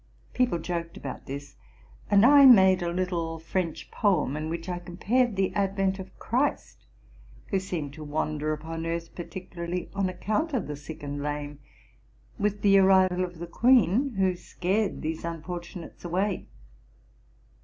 People joked about this; and J made a little French poem in which I compared the advent of Christ, who seemed to wander upon earth par ticularly on account of the sick and the lame, with the arrival of the queen, who scared these unfortunates away.